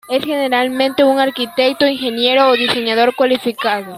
Es generalmente un arquitecto, ingeniero o diseñador cualificado.